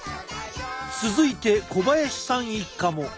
続いて小林さん一家も。